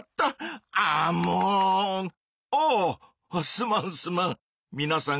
すまんすまん！